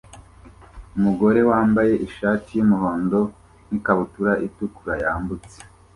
Umugore wambaye ishati y'umuhondo n'ikabutura itukura yambutse